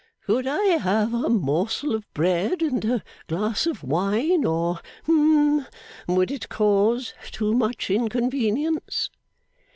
Could I have a morsel of bread and a glass of wine, or hum would it cause too much inconvenience?